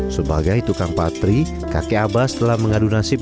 sebagai tukang patri kakek abbas telah mengadu nasib